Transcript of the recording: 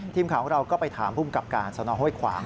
ทีมข่าวของเราก็ไปถามภูมิกับการสนห้วยขวาง